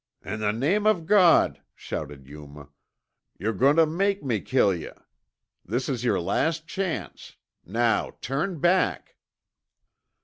"In the name of God," shouted Yuma, "you're goin' tuh make me kill yuh. This is yer last chance. Now turn back!"